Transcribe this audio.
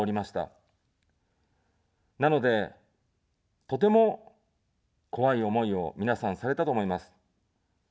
なので、とても怖い思いを、皆さん、されたと思います。